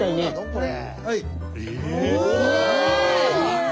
これ。